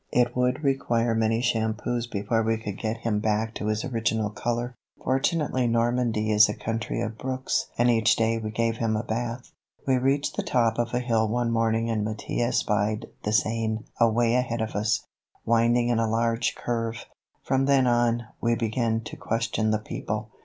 It would require many shampoos before we could get him back to his original color. Fortunately Normandy is a country of brooks and each day we gave him a bath. We reached the top of a hill one morning and Mattia spied the Seine away ahead of us, winding in a large curve. From then on, we began to question the people.